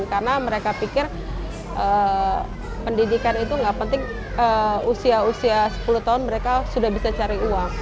karena mereka pikir pendidikan itu nggak penting usia usia sepuluh tahun mereka sudah bisa cari uang